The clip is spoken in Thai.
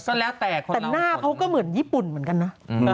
ใช่เหรอแต่หน้าเขาก็เหมือนญี่ปุ่นเหมือนกันนะ